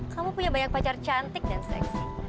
kamu punya banyak pacar cantik dan seleksi